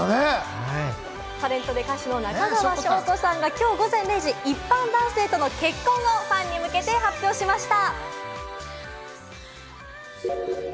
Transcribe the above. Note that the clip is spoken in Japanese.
タレントで歌手の中川翔子さんが今日午前０時、一般男性との結婚をファンに向けて発表しました。